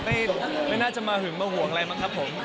ไม่น่าจะมาหึงมาห่วงอะไรมั้งครับผม